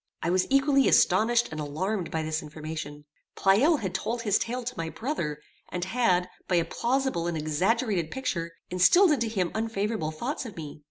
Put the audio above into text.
I was equally astonished and alarmed by this information. Pleyel had told his tale to my brother, and had, by a plausible and exaggerated picture, instilled into him unfavorable thoughts of me.